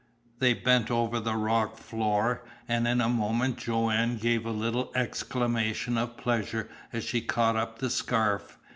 They bent over the rock floor, and in a moment Joanne gave a little exclamation of pleasure as she caught up the scarf.